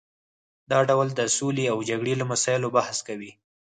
دا ډول د سولې او جګړې له مسایلو بحث کوي